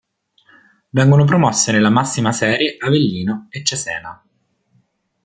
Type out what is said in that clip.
Vengono promosse nella massima serie Avellino e Cesena.